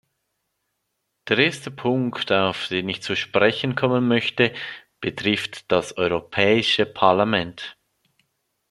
Der erste Punkt, auf den ich zu sprechen kommen möchte, betrifft das Europäische Parlament.